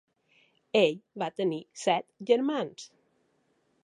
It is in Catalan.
Ell va tenir set germans.